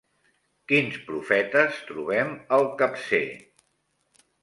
Quins profetes trobem al capcer?